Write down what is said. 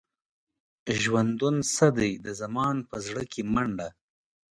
ژوندون څه دی؟ د زمان په زړه کې منډه.